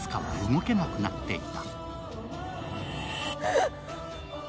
あす花は動けなくなっていた。